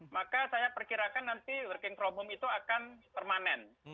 maka saya perkirakan nanti working from home itu akan permanen